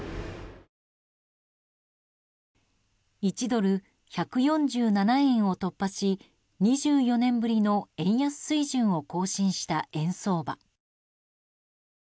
１ドル＝１４７円を突破し２４年ぶりの円安水準を更新した円相場。